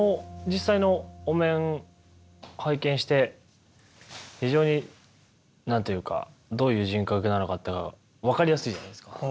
実際のお面拝見して非常になんというかどういう人格なのか分かりやすいじゃないですか。